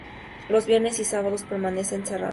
Los viernes y sábados permanecen cerradas.